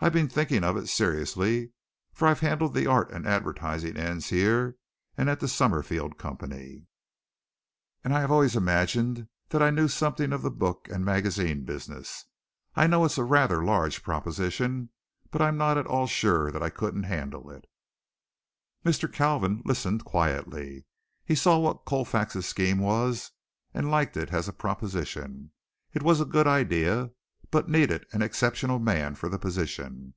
I've been thinking of it seriously, for I've handled the art and advertising ends here and at the Summerfield Company, and I have always imagined that I knew something of the book and magazine business. I know it's a rather large proposition, but I'm not at all sure that I couldn't handle it.". Mr. Kalvin listened quietly. He saw what Colfax's scheme was and liked it as a proposition. It was a good idea, but needed an exceptional man for the position.